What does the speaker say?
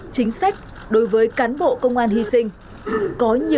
chính sách đối với cán bộ công an hy sinh